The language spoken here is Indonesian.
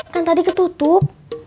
kan tadi ketutup